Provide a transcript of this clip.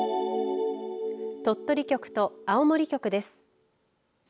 鳥取局と青森局です。